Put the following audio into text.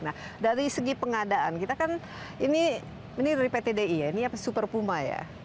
nah dari segi pengadaan kita kan ini dari pt di ya ini super puma ya